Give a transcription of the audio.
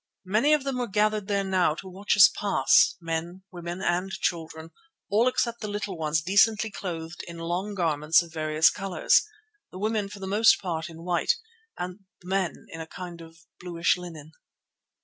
Many of them were gathered there now to watch us pass, men, women, and children, all except the little ones decently clothed in long garments of various colours, the women for the most part in white and the men in a kind of bluish linen.